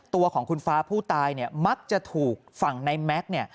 ตัวของคุณฟ้าผู้ตายมักจะถูกฝั่งในแม็กซ์